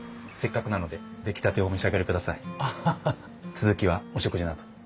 続きはお食事のあとに。